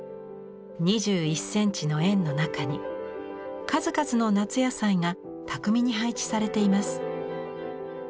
２１センチの円の中に数々の夏野菜が巧みに配置されています。